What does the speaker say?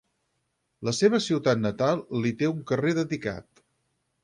La seva ciutat natal li té un carrer dedicat.